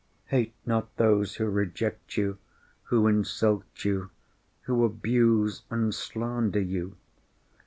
Hate not those who reject you, who insult you, who abuse and slander you.